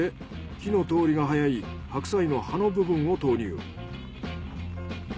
火の通りが早い白菜の葉の部分を投入。